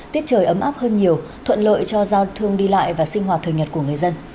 tiết trời ấm áp hơn nhiều thuận lợi cho giao thương đi lại và sinh hoạt thời nhật của người dân